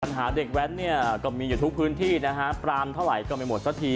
หาเด็กแว้นเนี่ยก็มีอยู่ทุกพื้นที่นะฮะปรามเท่าไหร่ก็ไม่หมดสักที